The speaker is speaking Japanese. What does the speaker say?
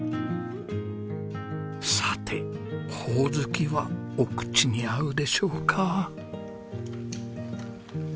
さてホオズキはお口に合うでしょうか？